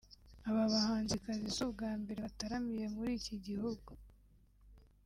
Aba bahanzikazi si ubwa mbere bataramiye muri iki gihugu